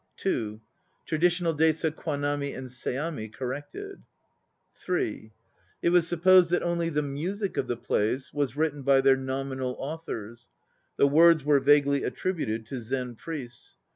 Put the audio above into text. (2) Traditional dates of Kwanami and Seami corrected. (3) It was supposed that only the music of the plays was written by their nominal authors. The words were vaguely attributed to "Zen Priests."